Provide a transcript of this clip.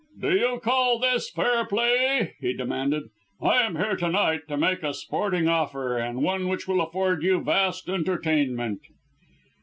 "Do you call this fair play!" he demanded; "I am here to night to make a sporting offer, and one which will afford you vast entertainment."